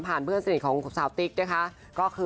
ผ่านเพื่อนสนิทของสาวติ๊กนะคะ